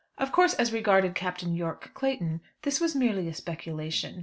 Of course, as regarded Captain Yorke Clayton, this was merely a speculation.